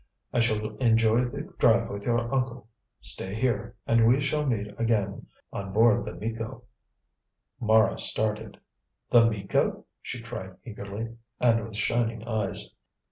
"I shall enjoy the drive with your uncle. Stay here, and we shall meet again on board the Miko." Mara started. "The Miko!" she cried eagerly, and with shining eyes.